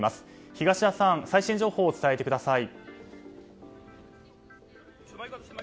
東田さん、最新情報を伝えてください。